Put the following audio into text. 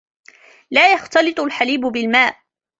لا يختلط الحليب بالماء.